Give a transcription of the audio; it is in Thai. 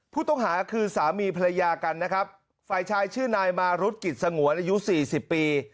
ผู้ต้องหาคือสามีพลยากันฝ่ายชายชื่อนายมารุษกิจสงวนอายุ๔๐ปี